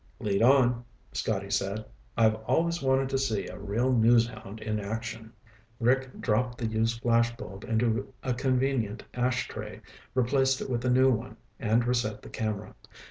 "Lead on," Scotty said. "I've always wanted to see a real news hound in action." Rick dropped the used flash bulb into a convenient ash tray, replaced it with a new one, and reset the camera.